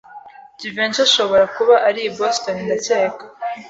Jivency ashobora kuba ari i Boston, ndakeka.